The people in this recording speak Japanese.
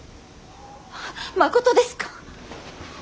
まことですか。